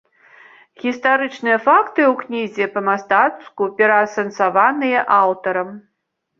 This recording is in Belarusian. Гістарычныя факты ў кнізе па-мастацку пераасэнсаваныя аўтарам.